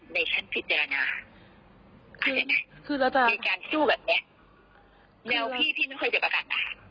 มีการสู้แบบนี้แนวพี่ที่มันเคยเป็นประกันตัว